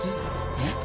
えっ？